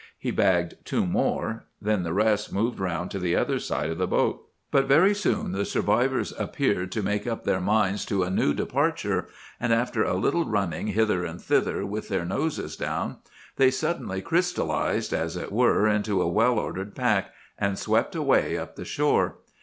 He bagged two more; then the rest moved round to the other side of the boat. "But very soon the survivors appeared to make up their minds to a new departure; and after a little running hither and thither with their noses down, they suddenly crystallized, as it were, into a well ordered pack, and swept away up the shore.